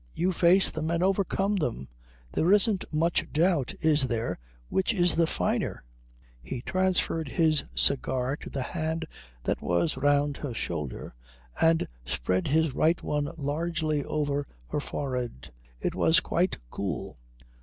You face them and overcome them. There isn't much doubt, is there, which is the finer?" He transferred his cigar to the hand that was round her shoulder and spread his right one largely over her forehead. It was quite cool.